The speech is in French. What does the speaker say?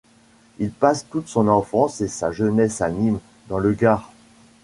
Il passe toute son enfance et sa jeunesse à Nîmes, dans le Gard.